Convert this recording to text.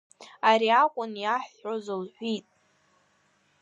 Ари акәын иаҳҳәоз, лҳәит.